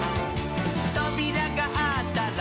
「とびらがあったら」